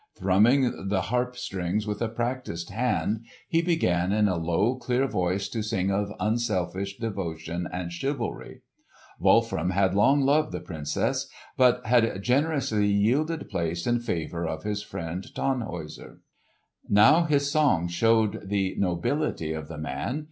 Thrumming the harp strings with a practised hand he began in a low clear voice to sing of unselfish devotion and chivalry. Wolfram had long loved the Princess, but had generously yielded place in favour of his friend Tannhäuser. Now his song showed the nobility of the man.